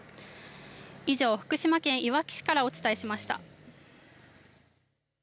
以上、福島県いわき市からお伝えしました。